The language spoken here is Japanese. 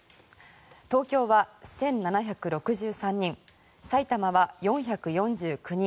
東京は１７６３人埼玉は４４９人。